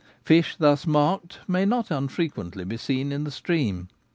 Fish thus marked may not unfrequently be seen in the stream.